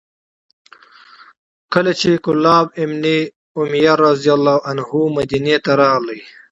کله چې کلاب بن امیة رضي الله عنه مدینې ته راغی،